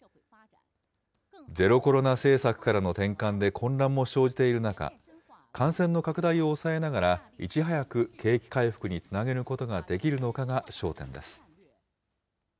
ゼロコロナ政策からの転換で混乱も生じている中、感染の拡大を抑えながら、いち早く景気回復につなげることができるのかが焦点です。